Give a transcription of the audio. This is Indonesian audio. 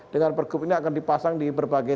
dengan pergub ini akan dipasang di berbagai